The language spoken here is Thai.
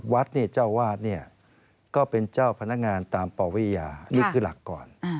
วัดเจ้าวาดก็เป็นเจ้าพนักงานตามปวิยานี่คือหลักก่อน